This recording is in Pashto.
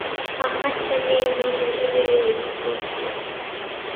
احمد ته مې نور ژبې وېښته وکړل.